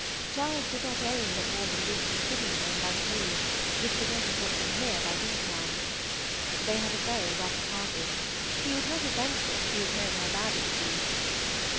Charles did not aim at more than reaching Sittingbourne by three, which could not have brought them here by dinner time. They had a very rough passage; he would not have ventured if he had known how bad it would be.